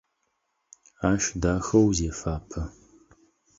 Ащ дахэу зефапэ.